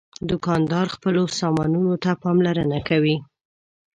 دوکاندار خپلو سامانونو ته پاملرنه کوي.